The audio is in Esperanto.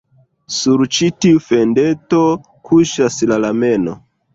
Sur ĉi tiu fendeto kuŝas la lameno.